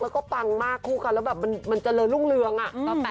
แล้วก็ปังมากคู่กันแล้วแบบมันเจริญรุ่งเรืองอ่ะ